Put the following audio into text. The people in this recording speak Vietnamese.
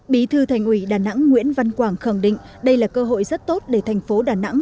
bí thư thành ủy đà nẵng nguyễn văn quảng khẳng định đây là cơ hội rất tốt để thành phố đà nẵng